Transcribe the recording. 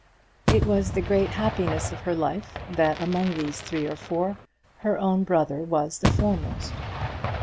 It was the great happiness of her life that among those three or four her own brother was the foremost.